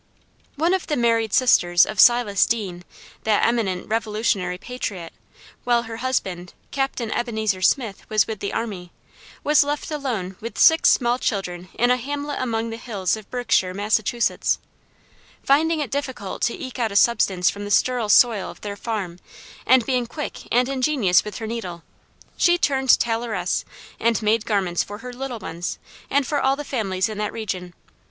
One of the married sisters of Silas Deane, that eminent Revolutionary patriot, while her husband, Captain Ebenezer Smith, was with the army, was left alone with six small children in a hamlet among the hills of Berkshire, Massachusetts. Finding it difficult to eke out a subsistence from the sterile soil of their farm, and being quick and ingenious with her needle, she turned tailoress and made garments for her little ones, and for all the families in that region.